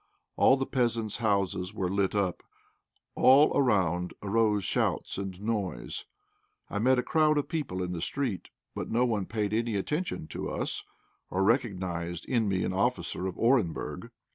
All the peasants' houses were lit up. All around arose shouts and noise. I met a crowd of people in the street, but no one paid any attention to us, or recognized in me an officer of Orenburg.